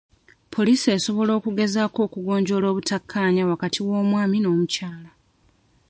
Poliisi esobola okugezaako okugonjoola obutakkaanya wakati w'omwami n'omukyala.